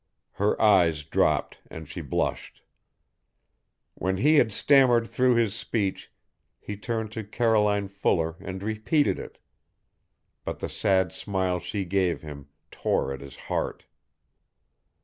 Her eyes dropped and she blushed. When he had stammered through his speech he turned to Caroline Fuller and repeated it, but the sad smile she gave him tore at his heart.